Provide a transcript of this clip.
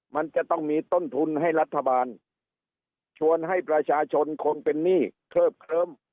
มันจะต้องมีต้นทุนให้รัฐบาลชวนให้ประชาชนคนเป็นหนี้เคลิบเคลิ้ม